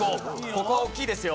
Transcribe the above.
ここは大きいですよ。